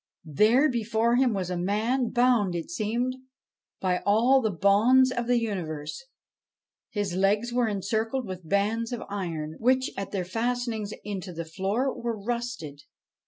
There, before him, was a man, bound, it seemed, by all the bonds of the universe. His legs were encircled with bands of iron, which, at their fastenings into the floor, were rusted.